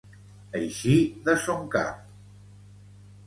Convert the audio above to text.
Eixir de son cap.